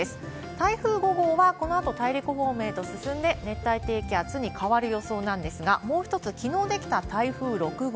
台風５号は、このあと大陸方面へと進んで、熱帯低気圧に変わる予想なんですが、もう一つ、きのう出来た台風６号。